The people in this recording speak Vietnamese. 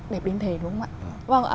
đẹp đến thế đúng không ạ